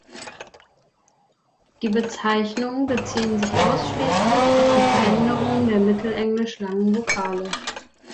Die Bezeichnungen beziehen sich ausschließlich auf die Veränderungen der mittelenglisch langen Vokale.